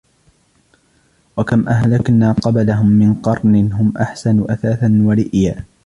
وَكَمْ أَهْلَكْنَا قَبْلَهُمْ مِنْ قَرْنٍ هُمْ أَحْسَنُ أَثَاثًا وَرِئْيًا